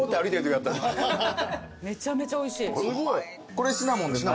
これシナモンですね。